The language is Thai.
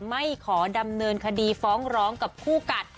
ไม่ขอดำเนินคดีฟ้องร้องกับคู่กัด